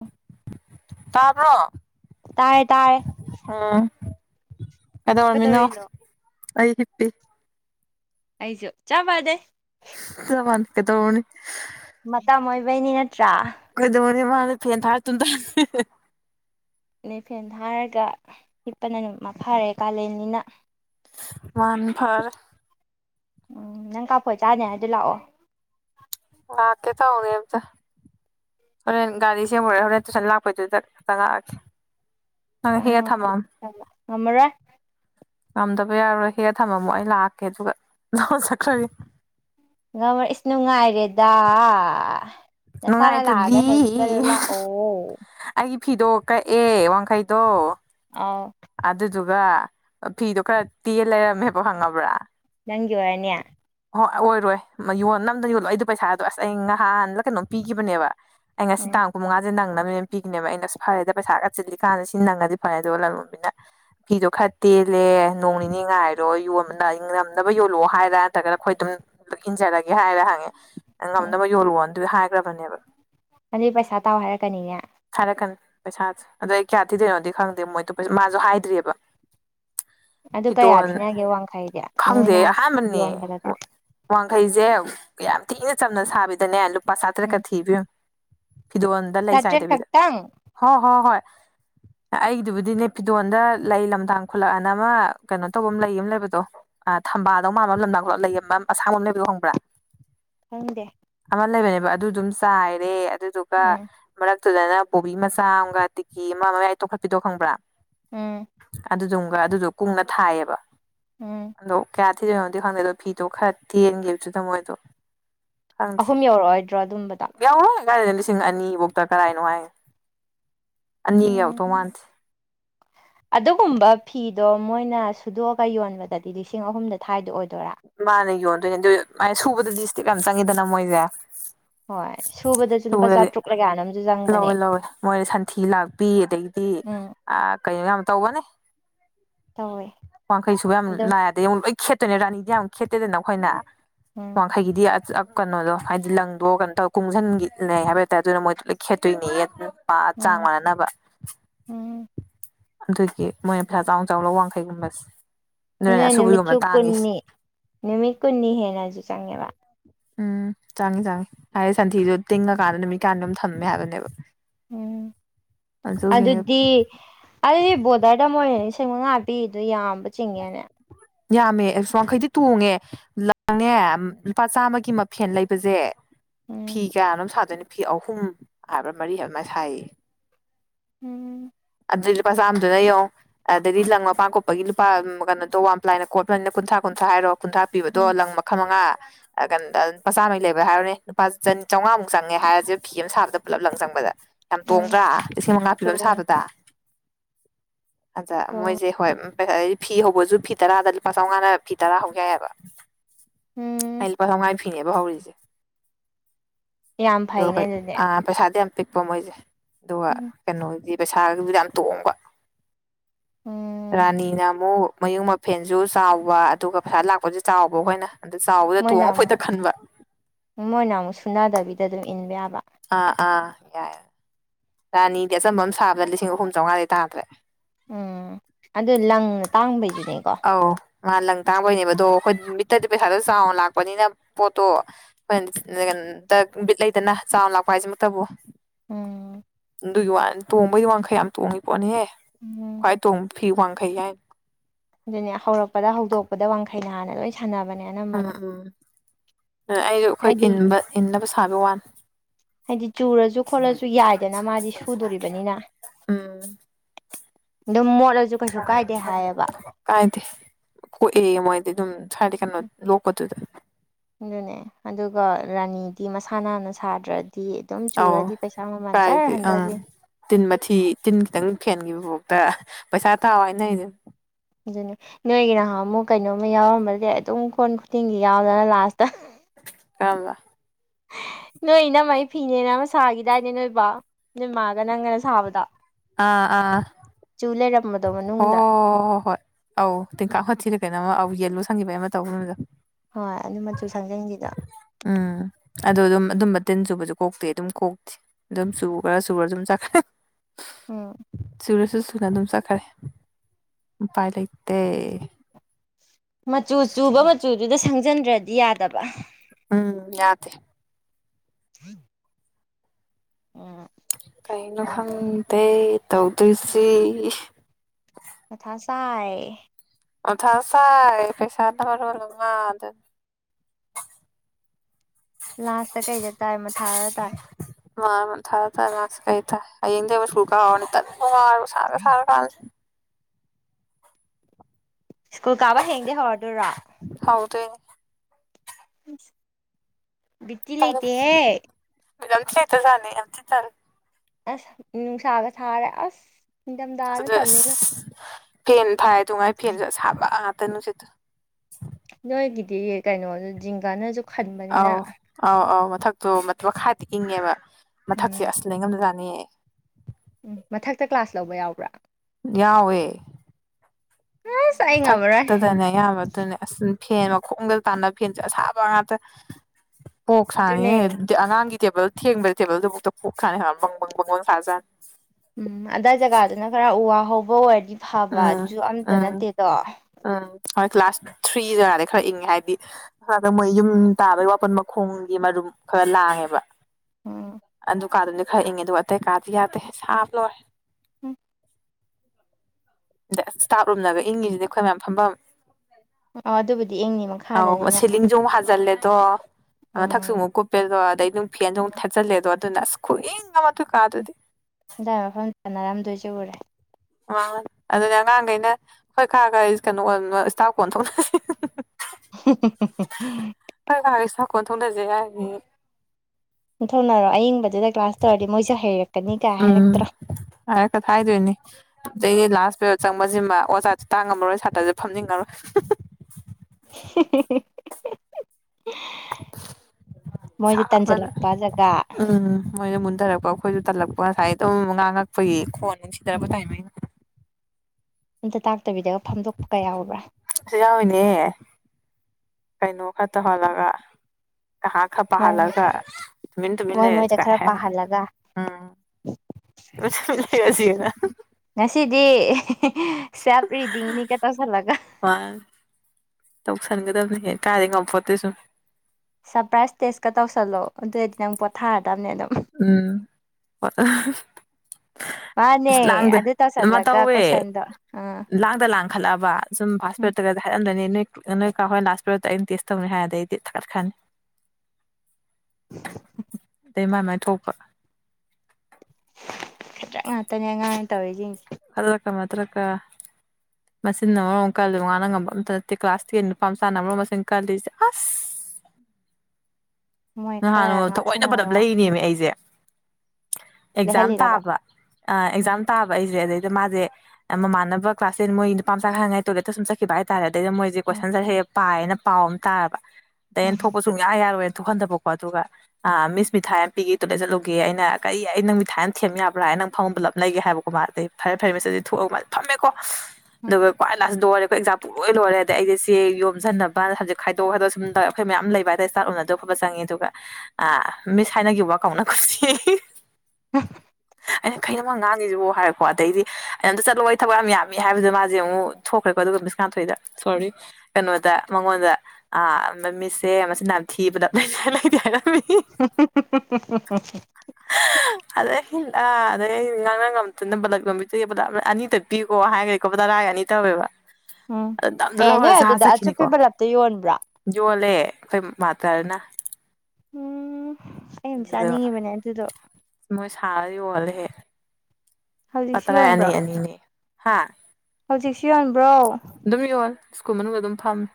ꯎ [unintelligible] ꯇꯥꯕꯔꯣ ꯇꯥꯔꯦ ꯇꯥꯔꯦ ꯎꯝ ꯀꯩꯗꯧꯔꯃꯤꯅꯣ ꯀꯗꯧꯔꯤꯅꯣ ꯑꯩ ꯍꯤꯞꯄꯤ ꯑꯩꯁꯨ ꯆꯞ ꯃꯥꯟꯅꯩ [unintelligible] ꯀꯗꯧꯔꯨꯅꯤ ꯃꯇꯝ ꯑꯣꯏꯕꯩꯅꯤ ꯅꯠꯇ꯭ꯔꯥ ꯀꯣꯏꯗ ꯃꯅꯤ ꯃꯥ ꯐꯦꯟꯟ ꯊꯥ [unintelligible] ꯅꯦ ꯐꯦꯟ ꯊꯥꯔꯒ ꯍꯤꯞꯄꯅ ꯃꯐꯥꯔꯦ ꯀꯥꯂꯦꯟꯅꯤꯅ ꯃꯥꯅꯤ ꯐꯔꯦ ꯎꯝ ꯅꯪ ꯀꯥꯞꯄꯣꯏ ꯆꯥꯅꯤ ꯍꯥꯏꯗ ꯂꯥꯛꯑꯣ ꯂꯥꯛꯀꯦ ꯇꯧꯕꯅꯦ ꯑꯝꯇꯥ꯫ ꯍꯣꯔꯦꯟ ꯒꯥꯔꯤ ꯁꯦꯝꯨꯔꯦ ꯍꯣꯔꯦꯟ ꯇꯨꯏꯁꯟ ꯂꯥꯛꯄꯩꯗꯨꯗ ꯇꯪꯉꯛꯑꯒꯦ꯫ ꯅꯪ ꯍꯦꯛꯑ ꯊꯝꯃꯣ꯫ ꯉꯝꯃꯔꯣꯏ ꯉꯝꯗꯕ ꯌꯥꯔꯔꯣꯏ ꯍꯦꯛꯒ ꯊꯝꯃꯝꯃꯣ ꯑꯩ ꯂꯥꯛꯀꯦ ꯑꯗꯨꯒ ꯂꯧꯔꯒ ꯆꯠꯈ꯭ꯔꯒꯦ꯫ ꯉꯝꯃꯔꯣꯏ ꯏꯁ ꯅꯨꯡꯉꯥꯏꯔꯦꯗ꯫ ꯅꯁꯥꯅ ꯂꯥꯛꯑꯒ ꯅꯨꯡꯉꯥꯏꯇꯗꯤ ꯍꯦꯛꯆꯥꯔꯨ ꯂꯥꯛꯑꯣ꯫ ꯑꯩꯒꯤ ꯐꯤꯗꯣ ꯀꯛꯑꯦ ꯋꯥꯡꯈꯩꯗꯣ꯫ ꯑꯣ꯫ ꯑꯗꯨꯗꯨꯒ ꯐꯤꯗꯣ ꯈꯔ ꯇꯦꯜꯂ ꯂꯩꯔꯝꯃꯦꯕ ꯈꯪꯉꯕ꯭ꯔꯥ꯫ ꯅꯪꯒꯤ ꯑꯣꯏꯔꯅꯤ? ꯑꯣꯏꯔꯣꯏ ꯅꯝꯗꯅ ꯌꯣꯜꯂꯣ ꯑꯩꯗꯣ ꯄꯩꯁꯥꯗꯣ ꯑꯁ ꯑꯩ ꯅꯍꯥꯟꯂ ꯀꯩꯅꯣꯝ ꯄꯤꯈꯤꯕꯅꯦꯕ ꯑꯩ ꯉꯁꯤ ꯎꯝ ꯇꯥꯡ ꯀꯨꯟꯃꯉꯥꯁꯦ ꯅꯪꯅꯕꯅꯦꯅ ꯄꯤꯈꯤꯅꯦꯕ ꯑꯩꯅꯁꯨ ꯐꯔꯦꯗ ꯄꯩꯁꯥ ꯈꯔ ꯆꯤꯜꯂꯤꯀꯥꯟꯗ ꯁꯤ ꯅꯪꯉꯗꯤ ꯐꯔꯦ ꯑꯗꯨꯒ ꯂꯂꯣꯟꯕꯤꯅ ꯐꯤꯗꯣ ꯈꯔ ꯇꯦꯜꯂꯦ ꯅꯣꯡ ꯅꯤꯅꯤ ꯉꯥꯏꯔꯣ ꯌꯣꯟ ꯉꯝꯅꯕ ꯌꯣꯜꯂꯣꯑꯣ ꯍꯥꯏꯔ ꯅꯠꯇ꯭ꯔꯒꯅ ꯑꯩꯈꯣꯏ ꯑꯗꯨꯝ ꯏꯟꯖꯔꯒꯦ ꯍꯥꯏꯔꯦ ꯍꯪꯉꯦ ꯎꯝ ꯉꯝꯅꯕ ꯌꯣꯜꯂꯣꯑꯣꯅ ꯑꯗꯨ ꯍꯥꯏꯈ꯭ꯔꯕꯅꯦꯕ꯫ ꯄꯩꯁꯥ ꯇꯥꯎ ꯍꯥꯏꯔꯛꯀꯅꯤꯅꯦ? ꯍꯥꯏꯔꯛꯀꯅꯤ ꯄꯩꯁꯥꯁꯦ ꯑꯗꯣ ꯑꯩ ꯀꯌꯥ ꯊꯤꯗꯣꯏꯅꯣꯗꯤ ꯈꯪꯗꯦ ꯃꯣꯏꯗꯣ ꯃꯥꯁꯨ ꯍꯥꯏꯗ꯭ꯔꯤꯕ꯫ ꯑꯗꯨ ꯀꯌꯥ ꯊꯤꯅꯒꯦ ꯋꯥꯡꯈꯩꯗꯤ ꯅꯣꯏꯅ ꯈꯪꯗꯦ ꯑꯍꯥꯟꯕꯅꯦ ꯌꯣꯟꯕꯗꯗꯤ꯫ ꯋꯥꯡꯈꯩꯁꯦ ꯌꯥꯝ ꯊꯤꯅ ꯆꯝꯅ ꯁꯥꯕꯤꯗꯅꯦ ꯂꯨꯄꯥ ꯆꯥꯇ꯭ꯔꯦꯛꯀ ꯎꯝ ꯊꯤ ꯢꯕꯦꯝꯃꯥ꯫ ꯐꯤꯗꯣꯟꯗ ꯂꯩ ꯆꯥꯇ꯭ꯔꯦꯠ ꯆꯥꯏꯗꯕꯤꯗ ꯈꯛꯇꯪ ꯍꯣꯏ-ꯍꯣꯏ-ꯍꯣꯏ ꯑꯩꯒꯤꯗꯨꯕꯨꯗꯤꯅꯦ ꯐꯤꯗꯣꯟꯗ ꯂꯩ ꯂꯝꯗꯥꯡ ꯈꯨꯠꯂꯛꯑꯅ ꯑꯃ ꯀꯩꯅꯣ ꯇꯧꯕ ꯑꯃ ꯂꯩ ꯑꯃ ꯂꯩꯕꯗꯣ ꯑ ꯊꯝꯕꯥꯗꯧꯅ ꯃꯥꯟꯕꯝ ꯂꯝꯗꯝꯡ ꯈꯜꯂꯛ ꯂꯩꯔ ꯑꯃ ꯑꯁꯥꯡ ꯂꯝ ꯅꯩꯕꯣ ꯈꯪꯕ꯭ꯔꯥ? ꯈꯪꯗꯦ꯫ ꯑꯃ ꯂꯩꯕꯅꯦꯕ ꯑꯗꯨꯗꯨꯃ ꯆꯥꯏꯔꯦ ꯑꯗꯨꯗꯨꯒ ꯎꯝ ꯃꯔꯛꯇꯨꯗꯅ ꯕꯣꯕꯤ ꯃꯆꯥ ꯑꯃꯒ ꯇꯤꯛꯀꯤ ꯑꯃ ꯑꯌꯥ ꯇꯣꯛꯈꯠꯄꯤꯗꯣ ꯈꯪꯕ꯭ꯔꯥ? ꯎꯝ꯫ ꯑꯗꯨꯗꯨꯝꯒ ꯑꯗꯨꯖꯨ ꯀꯨꯡꯅ ꯊꯥꯏꯌꯦꯕ ꯎꯝ ꯑꯗꯣ ꯀꯌꯥ [unintelligible] ꯈꯪꯗꯦ ꯑꯗꯣ ꯐꯤꯗꯣ ꯈꯔ ꯇꯦꯟꯈꯤꯕꯗꯨꯗ ꯃꯣꯏꯗꯣ ꯈꯪꯗꯦ ꯑꯍꯨꯝ ꯌꯧꯔꯛꯑꯣꯏꯗ꯭ꯔꯣ ꯑꯗꯨꯝꯕꯗ? ꯌꯥꯎꯔꯣꯏ ꯀꯔꯥꯢꯗꯒꯤ ꯂꯤꯁꯤꯡ ꯑꯅꯤꯐꯥꯎꯇ ꯀꯔꯥꯏꯅꯣ ꯍꯥꯏ ꯑꯅꯤ ꯌꯥꯎ ꯎꯝ ꯇꯧ ꯃꯥꯟꯗꯦ꯫ ꯑꯗꯨꯒꯨꯝꯕ ꯐꯤꯗꯣ ꯃꯣꯏꯅ ꯁꯨꯗꯣꯛꯑꯒ ꯌꯣꯟꯕꯗꯗꯤ ꯂꯤꯁꯤꯡ ꯑꯍꯨꯝꯗ ꯊꯥꯏꯗꯣ ꯑꯣꯏꯗꯣꯏꯔꯥ? ꯃꯥꯟꯅꯦ ꯌꯣꯟꯗꯨꯏꯅꯦ ꯑꯗꯨ ꯁꯨꯕꯗꯗꯤ ꯏꯁꯇꯦꯞ ꯌꯥꯝ ꯆꯪꯉꯤꯗꯅ ꯃꯣꯏꯖꯦ꯫ ꯍꯣꯏ ꯁꯨꯕꯗꯁꯨ ꯂꯨꯄꯥ ꯁꯨꯕꯗꯗꯤ ꯆꯥꯇ꯭ꯔꯨꯛ ꯂꯒꯌꯥꯅ ꯑꯃꯁꯨ ꯆꯪꯕꯅꯦ ꯂꯧꯋꯦ-ꯂꯧꯋꯦ ꯃꯣꯏꯅ ꯁꯟꯊꯤ ꯂꯥꯛꯄꯤ ꯑꯗꯒꯤ ꯎꯝ꯫ ꯑ ꯀꯩꯅꯣ ꯌꯥꯝ ꯇꯧꯕꯅꯤ꯫ ꯇꯧꯋꯦ ꯋꯥꯡꯈꯩ ꯁꯨꯕ ꯌꯥꯝ ꯑꯗꯨꯝ ꯂꯥꯏ ꯑꯗꯩ ꯑꯃꯨꯛ ꯂꯣꯏ ꯈꯦꯠꯇꯣꯏꯅꯦ ꯔꯥꯅꯤꯗꯤ ꯌꯥꯝ ꯈꯦꯠꯇꯦꯗꯅ ꯑꯩꯈꯣꯏꯅ꯫ ꯎꯝ ꯋꯥꯡꯈꯩꯒꯤꯗꯤ ꯀꯩꯅꯣꯗꯣ ꯍꯥꯏꯗꯤ ꯂꯪꯗꯣ ꯀꯩꯅꯣ ꯇꯧ ꯀꯨꯡꯁꯤꯟꯒꯤꯅꯦ ꯍꯥꯏꯕ ꯇꯔꯦ ꯑꯗꯨꯅ ꯃꯣꯏꯗꯣ ꯂꯣꯡꯅ ꯈꯦꯠꯇꯣꯏꯅꯦ ꯑꯗꯨꯅ꯫ ꯄꯥ ꯆꯥꯡ ꯎꯝ ꯃꯥꯟꯅꯅꯕ ꯎꯝ ꯑꯗꯨꯒꯤ ꯃꯣꯏꯅ ꯄꯩꯁꯥ ꯆꯥꯎꯅ ꯆꯥꯎꯅ ꯋꯥꯡ ꯊꯕꯁ [unintelligible] ꯅꯣꯏ ꯅꯨꯃꯤꯠꯁꯨ ꯀꯨꯟꯅꯤ ꯅꯨꯃꯤꯠ ꯀꯨꯟꯅꯤ ꯍꯦꯟꯅꯁꯨ ꯆꯪꯉꯦꯕ꯫ ꯎꯝ ꯆꯪꯉꯦ-ꯆꯪꯉꯦ ꯍꯥꯏꯗꯤ ꯁꯟꯊꯤꯁꯨ ꯇꯤꯡꯉꯀꯥꯟꯗ ꯅꯨꯃꯤꯠ ꯀꯥꯌꯥꯅꯤꯅꯣ ꯑꯃ ꯊꯝꯃꯦ ꯍꯥꯏꯕꯅꯦꯕ꯫ ꯎꯝ ꯑꯗꯨꯒꯤꯅꯦꯕ ꯑꯗꯨꯗꯤ ꯑꯩꯗꯤ ꯕꯣꯔꯗꯔꯗ ꯃꯣꯔꯦ ꯂꯤꯁꯤꯡ ꯃꯉꯥ ꯄꯤꯔꯤꯗꯣ ꯌꯥꯝꯕ ꯆꯤꯡꯉꯦꯅꯦ? ꯌꯥꯝꯃꯦ ꯑꯁ ꯋꯥꯡꯈꯩꯗꯤ ꯇꯣꯡꯉꯦ ꯂꯪꯅꯦ ꯂꯨꯄꯥ ꯆꯥꯝꯃꯒꯤ ꯃꯐꯦꯟ ꯂꯩꯕꯖꯦ ꯐꯤ ꯎꯝ ꯀꯌꯥꯅꯣꯝ ꯁꯥꯗꯣꯏꯅꯤ ꯐꯤ ꯑꯍꯨꯝ ꯍꯥꯏꯕ꯭ꯔꯥ ꯃꯔꯤ ꯍꯥꯏꯕ꯭ꯔꯥ ꯑꯃꯥꯏ ꯁꯥꯏꯌꯦ ꯎꯝ ꯑꯗꯩ ꯂꯨꯄꯥ ꯆꯥꯝꯗꯨꯅ ꯌꯦꯡꯉꯣ ꯑꯗꯒꯤ ꯂꯪ ꯃꯄꯥꯟ ꯀꯨꯞꯄꯒꯤ ꯂꯨꯄꯥ ꯀꯩꯅꯣꯗꯣ ꯋꯥꯟ ꯄ꯭ꯂꯥꯏꯅ ꯀꯣꯠꯄꯅꯤꯅ ꯀꯨꯟꯊ꯭ꯔꯥ ꯀꯨꯟꯊ꯭ꯔꯥ ꯍꯥꯏꯔꯣ ꯀꯨꯟꯊ꯭ꯔꯥ ꯄꯤꯕꯗꯣ ꯎꯝ ꯂꯪ ꯃꯈꯜ ꯃꯉꯥ ꯑꯥ ꯀꯩꯅꯣꯗꯥ ꯂꯨꯄꯥ ꯆꯥꯝꯃꯩ ꯂꯩꯕ ꯍꯥꯏꯔꯣꯅꯦ ꯂꯨꯄꯥ ꯆꯟ ꯆꯧꯉꯥꯃꯨꯛ ꯆꯪꯉꯦ ꯍꯥꯏꯔꯖꯦ ꯐꯤ ꯑꯃ ꯁꯥꯕꯗ ꯄꯨꯂꯞ ꯂꯪ ꯆꯪꯕꯗ ꯌꯥꯝ ꯎꯝ ꯇꯣꯡꯗ꯭ꯔꯥ ꯂꯤꯁꯤꯡ ꯃꯉꯥ ꯄꯤꯕ ꯑꯃ ꯇꯣꯡꯉꯣ ꯁꯥꯕꯗ ꯑꯗ ꯇꯣꯡꯉꯣ ꯃꯣꯏꯖꯦ ꯍꯣꯏ ꯑꯗꯒꯤ ꯐꯤ ꯍꯧꯕꯖꯨ ꯐꯤ ꯇꯔꯥꯗ ꯂꯨꯄꯥ ꯆꯧꯉꯥꯅ ꯐꯤ ꯇꯔꯥ ꯍꯧ ꯌꯥꯏꯑꯕ ꯎꯝ ꯑꯩ ꯂꯨꯄꯥ ꯆꯧꯉꯥꯏ ꯐꯤꯅꯦꯕ ꯍꯧꯔꯤꯖꯦ ꯌꯥꯝ ꯐꯩꯅꯦ ꯑꯗꯨꯒ ꯑꯗꯨꯗꯤ ꯑꯥ ꯄꯩꯁꯥꯗꯤ ꯌꯥꯝ ꯄꯤꯛꯄ ꯃꯣꯏꯖꯦ ꯑꯗꯨꯒ ꯀꯩꯅꯣꯗꯤ ꯄꯩꯁꯥꯖꯤꯕꯨꯗꯤ ꯌꯥꯝ ꯇꯣꯡꯕ ꯎꯝ ꯔꯥꯅꯤꯅ ꯑꯃꯨꯛ ꯃꯌꯨꯡ ꯃꯥ ꯐꯦꯟꯖꯨ ꯆꯥꯎꯕ ꯑꯗꯨꯒ ꯄꯩꯁꯥ ꯂꯥꯛꯄꯖꯨ ꯆꯥꯎꯕ ꯑꯩꯈꯣꯏꯅ ꯑꯗ ꯆꯥꯎꯕꯗ ꯃꯣꯏꯅ ꯇꯣꯡꯉ ꯑꯃꯨꯛ ꯐꯣꯏꯇꯥ ꯈꯟꯕ ꯃꯣꯏꯅ ꯑꯃꯨꯛ ꯁꯨꯅꯗꯕꯤꯗ ꯑꯗꯨꯝ ꯏꯟꯕ ꯌꯥꯕ ꯑ ꯑꯥ ꯌꯥꯏ ꯔꯥꯅꯤꯗꯤ ꯑꯆꯝꯕ ꯑꯃ ꯁꯥꯕꯗ ꯂꯤꯁꯤꯡ ꯑꯍꯨꯝ ꯆꯧꯉꯥꯗꯩ ꯇꯥꯗ꯭ꯔꯦ ꯎꯝ ꯑꯗꯨ ꯂꯪ ꯇꯥꯡꯕꯩꯖꯨꯅꯤꯀꯣ ꯑꯧ ꯉꯍꯥꯟ ꯂꯪ ꯇꯥꯡꯕꯩꯅꯦꯕ ꯑꯗꯣ ꯑꯩꯈꯣꯏ ꯃꯤꯠꯇꯗꯤ ꯄꯩꯁꯥꯗꯣ ꯆꯥꯎꯅ ꯂꯥꯛꯄꯅꯤꯅ ꯄꯣꯠꯇꯣ [unintelligible] ꯕꯤꯠ ꯂꯩꯇꯅ ꯆꯥꯎꯅ ꯂꯥꯛꯄ ꯍꯥꯏꯖꯤꯃꯛꯇꯕꯨ ꯎꯝ ꯑꯗꯨꯒꯤ ꯋꯥ ꯇꯣꯡꯕꯩꯗꯤ ꯋꯥꯡꯈꯩ ꯌꯥꯝ ꯇꯣꯡꯉꯤ ꯄꯣꯠꯅꯤꯍꯦ ꯎꯝ ꯈ꯭ꯋꯥꯏ ꯇꯣꯡꯕ ꯐꯤ ꯋꯥꯡꯈꯩ ꯍꯥꯏꯅꯤ ꯑꯗꯨꯅꯦ ꯍꯧꯔꯛꯄꯗ ꯍꯧꯗꯣꯛꯄꯗ ꯋꯥꯡ ꯈꯩꯅ ꯍꯥꯟꯅ ꯂꯣꯏꯅ ꯁꯥꯟꯅꯕꯅꯦ ꯎꯝ ꯑꯅꯝꯕꯅ ꯎꯝ ꯑꯗꯨꯅ ꯑꯩꯁꯨ ꯑꯩꯈꯣꯏ ꯍꯥꯏꯗꯤ ꯏꯟꯕ ꯏꯟꯅꯕ ꯁꯥꯕꯩ ꯋꯥꯅꯤ ꯍꯥꯏꯗꯤ ꯆꯨꯔꯖꯨ ꯈꯣꯠꯂꯁꯨ ꯌꯥꯏꯗꯅ ꯃꯥꯗꯤ ꯁꯨꯗꯣꯔꯤꯕꯅꯤꯅ ꯎꯝ ꯑꯗꯨꯝ ꯃꯣꯠꯂꯥ [unintelligible] ꯀꯥꯏꯗꯦ ꯀꯣꯛꯑꯦꯌꯦ ꯃꯣꯏꯗꯤ ꯑꯗꯨꯝ ꯁꯥꯏꯗꯤ ꯀꯩꯅꯣ ꯂꯣꯛꯄꯗꯨꯗ ꯑꯗꯨꯅꯦ ꯑꯗꯨꯒ ꯔꯥꯅꯤꯗꯤ ꯃꯁꯥ ꯅꯥꯟꯅ ꯁꯥꯗ꯭ꯔꯗꯤ ꯑꯗꯨꯝ ꯑꯧ ꯆꯨꯔꯗꯤ ꯄꯩꯁꯥ ꯃꯃꯟ ꯖꯔ ꯀꯥꯏꯗꯦ ꯑꯪ ꯍꯟꯊꯕꯤ ꯇꯤꯟ ꯃꯊꯤ ꯇꯤꯟ ꯈꯤꯇꯪ ꯐꯦꯟꯒꯤꯕꯕꯧꯇꯥ ꯄꯩꯁꯥ ꯇꯥꯎ ꯍꯥꯏꯅꯩꯅꯤ ꯑꯗꯨꯅꯤ ꯅꯣꯏꯒꯤ ꯅꯍꯥꯟꯃꯨꯛ ꯀꯩꯅꯣꯝꯃ ꯌꯥꯎꯔꯝꯕꯗꯩ ꯑꯗꯨꯝ ꯀꯣꯟ ꯈꯨꯗꯤꯡꯒꯤ ꯌꯥꯎꯗꯅ ꯂꯥꯁꯇ ꯇꯥꯕ꯭ꯔꯥ ꯅꯣꯏ ꯏꯅꯝꯃꯩ ꯐꯤꯅꯦꯅ ꯑꯃ ꯁꯥꯒꯤꯗꯥꯏꯅꯦ ꯅꯣꯏꯕꯣ ꯅꯣꯏꯃꯥꯒ ꯅꯪꯒꯅ ꯁꯥꯕꯗꯣ ꯑꯥ ꯑꯥ ꯆꯨ ꯂꯩꯔꯝ ꯍꯣ ꯍꯣꯏ ꯑꯧ ꯇꯤꯟꯈꯥꯛ ꯃꯊꯤꯔꯥ ꯀꯩꯅꯣꯝꯃ ꯑꯧ ꯌꯦꯜꯂꯣ ꯁꯪꯒꯤꯕꯩ ꯑꯃ ꯇꯧꯕ ꯅꯨꯃꯤꯠꯇꯣ ꯍꯣꯏ ꯑꯗꯨ ꯃꯆꯨ ꯁꯪꯖꯟꯒꯤꯗꯣ ꯎꯝ ꯑꯗꯣ ꯑꯗꯨꯝ ꯑꯗꯨꯝꯕ ꯇꯤꯟ ꯆꯨꯕꯖꯨ ꯀꯣꯛꯇꯦ ꯑꯗꯨꯝ ꯀꯣꯛꯇꯦ ꯑꯗꯨꯝ ꯆꯨꯕ ꯆꯨꯔꯖꯨ ꯑꯗꯨꯝ ꯆꯠꯈ꯭ꯔꯦ ꯎꯝ ꯆꯨꯔꯁꯨ ꯆꯨꯅ ꯑꯗꯨꯝ ꯆꯠꯈ꯭ꯔꯦ ꯎꯄꯥꯏ ꯂꯩꯇꯦ ꯃꯆꯨ ꯆꯨꯕ ꯃꯆꯨꯗꯨꯗ ꯁꯪꯖꯟꯗ꯭ꯔꯗꯤ ꯌꯥꯗꯕ ꯎꯝ ꯌꯥꯗꯦ [unintelligible] [unintelligible] ꯀꯩꯅꯣ ꯈꯪꯗꯦ ꯇꯧꯗꯣꯏꯁꯤ ꯀꯊꯥ ꯆꯥꯏ ꯃꯊꯥꯁꯥꯏ ꯄꯩꯁꯥꯅ ꯃꯔꯔꯣꯜ ꯑꯃ ꯂꯥꯁꯇ ꯀꯩꯗ ꯇꯥꯏ ꯃꯊꯥꯗ ꯇꯥꯏ ꯃꯥ ꯃꯊꯥꯇꯥꯏ [unintelligible] ꯍꯌꯦꯡꯗꯩꯃ ꯁꯨꯜꯀꯥ ꯍꯋꯥꯅꯤ [unintelligible] ꯁꯥꯔ ꯁꯥꯔ ꯀꯥꯟꯁꯤ ꯁ꯭ꯀꯨꯜ ꯀꯥꯕ ꯍꯌꯦꯡꯗꯦ ꯍꯔꯗꯨꯔꯣ ꯍꯥꯎꯗꯨꯏꯟ ꯕꯤꯠꯇꯤ ꯂꯩꯇꯦꯍꯦ ꯂꯝꯊꯤꯇ ꯖꯠꯅꯦ ꯌꯝ ꯊꯤ ꯇꯜꯂꯦ ꯑꯁ ꯅꯨꯡꯁꯥꯒ ꯁꯥꯔꯦ ꯑꯁ ꯅꯤꯡꯊꯝꯊꯥ ꯑꯁ ꯑꯗꯨꯟ ꯑꯁ ꯅꯠꯇꯕꯅꯤꯅ ꯐꯦꯟ ꯊꯥꯏ ꯇꯨꯉꯥꯏ ꯐꯦꯟꯁꯨ ꯑꯁꯥꯕ ꯉꯥꯛꯇ ꯅꯨꯡꯁꯤꯠ ꯅꯣꯏꯒꯤꯗꯤ ꯀꯩꯅꯣ ꯖꯤꯡꯒꯥꯅꯁꯨ ꯑꯥꯎ ꯑꯥꯎ ꯑꯧ ꯃꯊꯛꯇꯣ ꯃꯈꯥꯏꯗꯤ ꯏꯪꯉꯦꯕ ꯃꯊꯛ ꯁꯦ ꯎꯝ ꯑꯁ ꯂꯩꯉꯝꯗꯖꯥꯠꯅꯤ ꯅꯦ ꯎꯝ ꯃꯊꯛꯇ ꯀ꯭ꯂꯥꯁ ꯂꯧꯕ ꯌꯥꯎꯕ꯭ꯔꯥ ꯌꯥꯎꯋꯦ ꯑꯁ ꯑꯩ ꯉꯝꯃꯔꯣꯏ ꯃꯊꯛꯇꯗꯅꯦ ꯑꯌꯥꯝꯕ ꯑꯗꯨꯅꯦ ꯑꯁ ꯐꯦꯟ ꯃꯈꯣꯡꯒ ꯇꯥꯟꯅꯕ ꯐꯦꯟꯁꯦ ꯑꯁꯥꯕ ꯉꯥꯛꯇ ꯄꯣꯛꯁꯥꯏꯌꯦ ꯑꯗꯨꯅꯦ ꯑꯉꯥꯡꯒꯤ ꯇꯦꯕꯜ ꯊꯦꯡꯕꯗ ꯇꯦꯕꯜꯗꯨꯕꯨꯛꯇ ꯄꯣꯛꯈꯔꯅꯤ ꯍꯥꯏ ꯕꯪꯕꯪ ꯕꯪꯕꯪ ꯁꯥꯖꯥꯅꯤ ꯎꯝ ꯑꯗꯥꯏ ꯖꯒꯥꯗꯨꯅ ꯈꯔ ꯎ ꯋꯥ ꯍꯧꯕ ꯑꯣꯏꯔꯗꯤ ꯐꯕ ꯎꯝ ꯑꯗꯨꯁꯨ ꯑꯝꯇ ꯎꯝ ꯅꯠꯇꯦꯗꯣ ꯎꯝ ꯍꯣꯏ ꯀ꯭ꯂꯥꯁ ꯊ꯭ꯔꯤ ꯖꯒꯥꯗꯤ ꯈꯔ ꯏꯪꯉꯦ ꯍꯥꯏꯕꯗꯤ ꯍꯗ ꯃꯣꯏ ꯌꯨꯝ ꯇꯥꯕꯩ ꯋꯥꯄꯟ ꯃꯈꯣꯡꯒꯤ ꯃꯔꯨꯝ ꯈꯔ ꯂꯥꯡꯉꯦꯕ ꯎꯝ ꯑꯗꯨ ꯀꯥ ꯑꯗꯨꯝꯗꯤ ꯈꯔ ꯏꯪꯉꯦ ꯑꯗꯨ ꯑꯇꯩ ꯀꯥꯗꯤ ꯌꯥꯗꯦ ꯁꯥꯕ ꯂꯣꯏꯔꯦ ꯎꯝ ꯗꯩ ꯑꯁ ꯁ꯭ꯇꯥꯞꯔꯨꯝꯅꯕ ꯏꯪꯉꯤꯁꯤꯗꯤ ꯑꯩꯈꯣꯏ ꯃꯌꯥꯝ ꯐꯝꯐꯝ ꯑꯣ ꯑꯗꯨꯕꯨꯗꯤ ꯏꯪꯅꯤ ꯃꯈꯥꯗꯅꯤꯅ ꯇꯣ ꯑꯃꯨꯛ ꯍꯥꯖꯤꯜꯂꯦꯗꯣ ꯃꯊꯛꯁꯨ ꯎꯝ ꯑꯃꯨꯛ ꯀꯨꯞꯄꯦꯗꯣ ꯑꯗꯩ ꯑꯗꯨꯝ ꯐꯦꯟꯁꯨ ꯑꯃꯨꯛ ꯊꯥꯖꯜꯂꯦꯗꯣ ꯑꯗꯨꯅ ꯑꯁ ꯈꯨꯏꯪ ꯑꯃꯗꯨꯏ ꯀꯥꯗꯨꯗꯤ ꯗꯥꯥꯏ ꯃꯐꯝꯗꯅꯔꯝꯗꯣꯏꯁꯦ ꯎꯔꯦ ꯑ ꯑꯗꯨꯅꯦ ꯑꯉꯥꯡꯈꯩꯅ ꯍꯣꯏ ꯈꯥ ꯈꯔ ꯀꯩꯅꯣ ꯏꯁ꯭ꯇꯥꯐ ꯀ ꯑꯣꯟꯊꯣꯛꯅꯁꯦ [unintelligible] [inaudible] ꯍꯣꯏ [unintelligible] [unintelligible] ꯊꯣꯡꯅꯖꯦ ꯍꯥꯏꯅꯤ ꯅꯤꯡꯊꯅꯔꯣ ꯑꯌꯤꯡꯕꯗꯨꯗ ꯀ꯭ꯂꯥꯁ ꯇꯧꯔꯗꯤ ꯃꯣꯏꯁꯨ ꯍꯩꯔꯛꯀꯅꯤ ꯒꯥꯏ ꯍꯥꯏꯔꯛꯇ꯭ꯔꯣ ꯍꯥꯏꯔ ꯀꯊ ꯍꯥꯏꯗꯣꯏꯅꯦ ꯑꯗꯒꯤ ꯂꯥꯁ ꯄꯦꯔꯣꯗ ꯆꯪꯕꯁꯤꯃ ꯑꯣꯖꯥꯁꯨ ꯇꯥꯛꯉꯝꯃꯔꯣꯏ ꯁꯥꯇ꯭ꯔꯁꯨ ꯐꯝꯅꯤꯡꯉꯔꯣꯏ [unintelligible] ꯃꯣꯏꯁꯨ ꯁꯥꯕꯅ ꯇꯟꯖꯜꯂꯛꯄ ꯖꯒꯥ ꯎꯝ ꯃꯣꯏꯅ ꯃꯨꯟꯊꯔꯛꯄ ꯑꯩꯈꯣꯏꯁꯨ ꯇꯜꯂꯛꯄ ꯉꯁꯥꯏ ꯑꯗꯨꯝ ꯉꯥꯉꯛꯄꯒꯤ ꯈꯣꯟ ꯅꯨꯡ ꯁꯤꯗꯔꯛꯄ ꯎꯝ ꯇꯥꯏꯃꯤꯡ ꯑꯝꯇ ꯇꯥꯛꯇꯕꯤꯗꯒ ꯐꯝꯗꯣꯛꯄ ꯀꯌꯥꯎꯕ꯭ꯔꯥ ꯁꯤ ꯌꯥꯎꯏꯅꯦ ꯀꯩꯅꯣ ꯈꯔ ꯇꯧꯍꯜꯂꯒ ꯉꯥꯏꯍꯥꯛ ꯈ ꯃꯣꯏ ꯄꯥꯍꯂꯒ ꯃꯣꯏꯗ ꯇꯨꯃꯤꯟ ꯇꯨꯃꯤꯟ ꯃꯣꯏ ꯂꯩꯔꯖꯤ ꯃꯣꯏꯗ ꯀꯥꯏ ꯈꯔ ꯍꯥꯏ ꯄꯥꯍꯜꯂꯒ ꯎꯝ ꯇꯨꯃꯤꯟ [unintelligible] ꯂꯩꯔꯁꯤꯅ ꯉꯁꯤꯗꯤ [unintelligible] ꯁꯦꯜꯐ ꯔꯤꯗꯤꯡꯅꯤ ꯀꯇꯧ ꯁꯤꯜꯂꯒ ꯋꯥꯏ ꯇꯧꯁꯟꯒꯗꯕꯅꯤ ꯍꯦꯛ ꯀꯥꯏꯗꯩ ꯉꯝꯄꯣꯠꯇꯦꯁꯨꯝ ꯁꯔꯄ꯭ꯔꯥꯏꯖ ꯇꯦꯖꯀ ꯇꯧꯁꯜꯂꯣ ꯑꯗꯨꯑꯣꯏꯗꯤ ꯅꯪ ꯄꯣꯠꯊꯥꯔꯗꯕꯅꯦ ꯑꯗꯨꯝ ꯎꯝ ꯍꯣꯏ ꯑ ꯃꯥꯅꯦ ꯏꯁ ꯂꯥꯡꯗ‌ꯦ ꯑꯗꯨ ꯑꯃ ꯇꯧꯁꯜꯂꯒ ꯇꯧꯋꯦ ꯀꯣꯏꯁꯟꯗꯣ ꯑꯥ ꯂꯥꯡꯗ ꯂꯥꯡ ꯈꯜꯂꯑꯕ ꯁꯨꯝ ꯐꯥꯁ ꯎꯝ ꯄꯦꯔꯠꯇꯀꯒꯗꯤ ꯍꯥꯏꯔꯝꯗ‌ꯣꯏꯅꯤ ꯅꯣꯏ ꯅꯣꯏ ꯀ ꯍꯣꯏ ꯂꯥꯁ ꯄꯦꯔꯠꯗ ꯑꯩꯅ ꯇꯦꯁ ꯇꯧꯅꯤ ꯍꯥꯏꯔꯗꯩꯗꯤ ꯊꯥꯠꯀꯠꯈ꯭ꯔꯅꯤ ꯍꯨꯝ ꯍꯨꯝ ꯑꯗꯩ ꯃꯥꯏ ꯃꯥꯏ ꯊꯣꯛꯄ ꯈꯗ꯭ꯔꯛ ꯉꯥꯛꯇꯅꯦ ꯑꯉꯥꯡꯅ ꯇꯧꯔꯤꯁꯤꯡꯁꯦ ꯈꯗ꯭ꯔꯛꯀ ꯃꯗ꯭ꯔꯛꯀ ꯃꯆꯤꯟꯅ ꯃꯔꯣꯝ ꯀꯜꯂꯤ ꯉꯥꯡꯅ ꯉꯝꯕ ꯑꯝꯇ ꯅꯠꯇꯦ ꯀ꯭ꯂꯥꯁ ꯇꯦꯟ ꯅꯨꯄꯥ ꯃꯆꯥꯅ ꯃꯔꯣꯝ ꯃ ꯃꯆꯤꯟ ꯀꯜꯂꯤꯁꯦ ꯑꯁ ꯃꯣꯏ ꯈꯔ ꯅꯍꯥꯟꯅꯣꯡꯃ ꯊꯑꯣꯏꯅ ꯕꯂꯞ ꯉꯥꯎꯁꯟꯅꯕ ꯂꯩꯔꯤꯅꯦꯃꯤ ꯑꯩꯁꯦ ꯑꯦꯛꯖꯥꯝ ꯂꯩꯍꯜꯂꯤꯔꯕ ꯇꯥꯕ ꯑ ꯑꯦꯛꯖꯥꯝ ꯎꯝ ꯇꯥꯕ ꯑꯩꯁꯦ ꯑꯗꯩꯗ ꯃꯥꯁꯦ ꯃꯃꯥꯟꯅꯕ ꯀ꯭ꯂꯥꯁ ꯇꯦꯟ ꯃꯣꯏ ꯅꯨꯄꯥ ꯃꯆꯥꯉꯩ ꯇꯣꯏꯂꯦꯠꯇ ꯁꯨꯝ ꯆꯠꯈꯤꯕ ꯍꯥꯏ ꯍꯥꯏꯇꯥꯔꯦꯗ ꯃꯣꯏꯁꯦ ꯎꯝ ꯀꯣꯏꯁꯟꯁꯔ ꯍꯦꯛ ꯄꯥꯏꯌ‌ꯦꯅ ꯄꯥꯎ ꯑꯃ ꯇꯥꯔꯕ ꯑꯗ ꯎꯝ ꯑꯩꯅ ꯊꯣꯛꯄ ꯁꯨꯡꯌꯥ ꯌꯥꯔꯣꯏꯅ ꯊꯣꯛꯍꯟꯗꯕ ꯑꯗꯨꯒ ꯑ ꯃꯤꯁ ꯃꯤꯊꯥꯏ ꯑꯃ ꯄꯤꯒ ꯇꯣꯏꯂꯦꯠ ꯆꯠꯂꯨꯒꯦ ꯑꯩꯅ ꯀꯔꯤ ꯑꯩ ꯅꯪ ꯃꯤꯊꯥꯏ ꯑꯃ ꯊꯦꯝ ꯌꯥꯕ꯭ꯔꯥ ꯅꯪ ꯐꯝꯃꯣꯕꯂꯞ ꯂꯩꯒꯦ ꯍꯥꯏꯕꯀ‌ꯣ ꯃꯥ ꯑꯗꯩ ꯐꯔꯦ ꯐꯔꯦ ꯃꯁꯦ ꯊꯣꯛꯑꯒ ꯃꯥꯁꯤ ꯐꯝꯃꯦꯀꯣ ꯎꯝ ꯑꯗꯨꯒ ꯈꯋꯥꯏ ꯂꯥꯁ ꯂꯣꯏꯔꯦ ꯀꯣ ꯑꯦꯛꯖꯥꯝ ꯄꯨꯡ ꯂꯣꯏ ꯂꯣꯏꯔꯦ ꯑꯗꯩ ꯑꯩꯖꯦ ꯆꯦ ꯌꯣꯝꯁꯤꯟꯅꯕ ꯁꯕꯖꯦꯛ ꯈꯥꯏꯗꯣꯛ ꯈꯥꯏꯗꯣꯛ ꯁꯨꯝꯝ ꯑꯩꯈꯣꯢ ꯃꯌꯥꯝ ꯂꯩꯕ ꯍꯥꯏꯇꯔꯦ ꯏꯁꯇꯥꯕ ꯔꯨꯝꯗ ꯑꯗ‌ꯣ ꯐꯕꯠ ꯆꯪꯉꯛꯑꯦ ꯑꯗꯨꯒ ꯑ ꯃꯤꯁ ꯍꯥꯏꯅꯒꯤ ꯋꯥ ꯀꯥꯎꯅ ꯒꯨꯝꯁꯤꯌꯦ ꯍꯨꯝ ꯑꯩꯅ ꯀꯩꯅꯣꯃꯥ ꯉꯥꯡꯉꯤꯁꯤꯕꯨ ꯍꯥꯏꯔꯦꯀꯣ ꯑꯗꯩꯗꯤ ꯑꯩꯅ ꯑꯝꯇ ꯆꯠꯂꯣ ꯑꯩ ꯊꯕꯛ ꯌꯥꯝ ꯌꯥꯝꯃꯤ ꯍꯥꯏꯕꯗ ꯃꯥꯁꯦ ꯑꯃꯨꯛ ꯊꯣꯛꯈ꯭ꯔꯦꯀꯣ ꯑꯗꯨꯒ ꯃꯤꯁ ꯉꯥꯟꯊꯣꯏꯗ ꯁꯣꯔꯤ ꯀꯩꯅꯣꯗ ꯃꯉꯣꯟꯗ ꯑ ꯃꯤꯖꯁꯦ ꯃꯆꯤꯟ ꯌꯥꯝ ꯊꯤ ꯕꯂꯞ ꯂꯩꯅꯤ ꯍꯥꯏꯔ ꯂꯩꯗꯦ ꯍꯥꯏꯔꯝꯃꯤꯌꯦ [unintelligible] ꯑꯗꯩ ꯍ ꯑꯥ ꯑꯗꯩ ꯉꯥꯡꯅꯥꯉꯝꯗꯅ ꯕꯂꯞ ꯌꯣꯟꯕꯤꯗꯩ ꯕꯂꯞ ꯑꯃꯇ ꯑꯅꯤ ꯇꯄꯤꯒ‌ꯣ ꯍꯥꯏꯒ꯭ꯔꯦ ꯂꯨꯄꯥꯇꯔꯥꯏ ꯑꯅꯤ ꯇꯧꯋꯦꯕ ꯎꯝ ꯑꯗꯨ ꯅꯝꯗ ꯑꯦ ꯂꯧꯔ ꯅꯣꯏ ꯆꯥꯔꯥ ꯑꯗꯨꯗ ꯑꯆꯨꯞꯄꯤ ꯆꯠꯈꯤꯅꯤꯀꯣ ꯕꯂꯞꯇꯣ ꯌꯣꯟꯕ꯭ꯔꯥ ꯌꯣꯜꯂꯦ ꯑꯩꯩꯈ‌ꯣꯏ ꯃꯥꯗꯔꯅ ꯎꯝ ꯑꯩ ꯌꯥꯝ ꯑꯗꯨꯗꯨꯒ ꯆꯥꯅꯤꯡꯉꯤꯕꯅꯦ ꯑꯗꯨꯗꯣ ꯃꯣꯏ ꯁꯥꯔ ꯌꯣꯜꯂꯦꯍꯦ ꯍꯧꯖꯤꯛꯁꯨ ꯂꯨꯄꯇ꯭ꯔꯥ ꯑꯅꯤ ꯌꯣꯟꯕ꯭ꯔꯣ ꯑꯅꯤ ꯍꯥꯥ ꯍꯧꯖꯤꯛꯁꯨ ꯌꯣꯟꯕ꯭ꯔꯣ ꯑꯗꯨꯝ ꯌꯣꯜꯂꯦ ꯁ꯭ꯀꯨꯜ ꯃꯅꯨꯡꯗ ꯑꯗꯨꯝ ꯐꯝꯃꯦ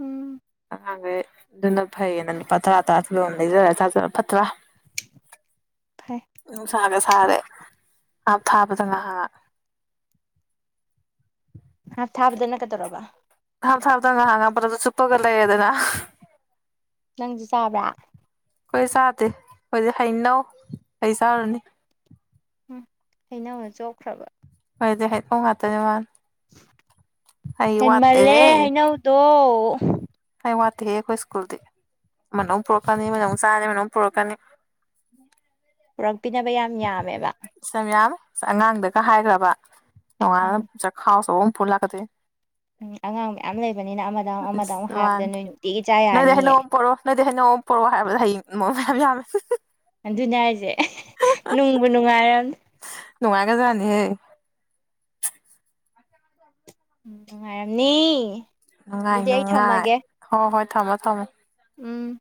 ꯎꯝ ꯑꯉꯥꯡꯒꯩ ꯑꯗꯨꯅ ꯐꯩꯌꯦꯅ ꯂꯨꯄꯥ ꯇꯔꯥ ꯇꯔꯥ ꯄꯤꯕ ꯑꯝ ꯂꯩꯖꯔ ꯆꯥꯖꯔ ꯐꯠꯇ꯭ꯔꯥ ꯐꯩ ꯅꯨꯡꯁꯥꯒ ꯁꯥꯔꯦ ꯍꯥꯞ ꯊꯥꯕꯗ ꯉꯥꯍꯥꯛ ꯍꯥꯞ ꯊꯥꯕꯗꯅ ꯀꯩꯗꯧꯔꯕ ꯍꯥꯞ ꯊꯥꯕꯗ ꯉꯍꯥꯛ ꯉꯍꯥꯛ ꯕꯂꯞ ꯇꯨ ꯆꯨꯞꯄꯒ ꯂꯩꯔ‌ꯦꯗꯅ ꯅꯪꯁꯨ ꯆꯥꯕ꯭ꯔꯥ ꯑꯩꯈꯣꯏ ꯆꯥꯗꯦ ꯑꯩꯈ‌ꯣꯏꯗꯤ ꯍꯩꯅꯧ ꯀꯩ ꯆꯥꯔꯨꯅꯤ ꯎꯝ ꯍꯩꯅꯧꯗ ꯆꯣꯞꯈ꯭ꯔꯕ [unintelligible] ꯉꯥꯛꯇꯅꯦ ꯃꯥꯟ ꯍꯦꯟꯃꯜꯂꯦ ꯍꯩꯅꯧꯗꯣ ꯍꯩ ꯋꯥꯠꯇꯦꯍꯦ ꯑꯩꯈꯣꯏ ꯁ꯭ꯀꯨꯜꯗꯤ ꯑꯃꯅ ꯃꯨꯛ ꯄꯨꯔꯛꯀꯅꯤ ꯑꯃꯅ ꯃꯨꯛ ꯆꯥꯔꯅꯤ ꯑꯃꯅ ꯃꯨꯛ ꯄꯨꯔꯛꯀꯅꯤ ꯄꯨꯔꯛꯄꯤꯅꯕ ꯌꯥꯝ ꯌꯥꯝꯃꯦꯕ ꯏꯁ ꯃꯌꯥꯝ ꯑꯉꯥꯡꯗꯒ ꯍꯥꯏꯒ‍꯭ꯔꯕ ꯎꯝ ꯅꯣꯡꯉꯥꯜꯂ ꯆꯈꯥꯎ ꯑꯆꯧꯕ ꯑꯃ ꯄꯨꯔꯒ ꯂꯛꯀꯗꯣꯢꯅꯤ ꯎꯝ ꯑꯉꯥꯡ ꯃꯌꯥꯝ ꯂꯩꯕꯅꯤꯅ ꯑꯃꯗ ꯑꯃꯨꯛ ꯑꯃꯗ ꯑꯃꯨꯛ ꯏꯁ ꯍꯥꯏꯕꯗ ꯃꯥꯅꯤ ꯅꯣꯏ ꯅꯨꯡꯇꯤꯒꯤ ꯆꯥꯕ ꯅꯣꯏꯗꯩ ꯌꯥꯅꯤꯌꯦ ꯍꯩꯅꯧ ꯑꯃ ꯄꯣꯔꯛꯑꯣ ꯅꯣꯏꯗꯩ ꯍꯩꯅꯧ ꯑꯝ ꯄꯣꯔ‌ꯣ ꯍꯥꯏꯔꯕꯗ ꯍꯌꯦꯡ ꯑꯃꯨꯛ ꯃꯌꯥꯝ ꯌꯥꯝꯃꯦ ꯑꯗꯨꯅꯦ ꯍꯥꯏꯁꯦ ꯅꯨꯡꯕꯨ ꯅꯨꯡꯉꯥꯏꯔꯝꯅꯤ ꯅꯨꯡꯉꯥꯏꯒ꯭ꯔꯖꯥꯅꯤꯍꯦ ꯅꯨꯡꯉꯥꯏꯔꯝꯅꯤ ꯅꯨꯡꯉꯥꯏ ꯑꯗꯨꯗꯤ ꯑꯩ ꯅꯨꯡꯉꯥꯏ ꯊꯝꯃꯒꯦ ꯍꯣꯏ ꯍꯣꯏ ꯊꯝꯃꯣ ꯊꯝꯃꯣ ꯎꯝ